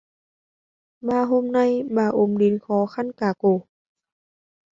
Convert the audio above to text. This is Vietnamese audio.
Ba hôm nay bà ốm đến khó khăn cả cổ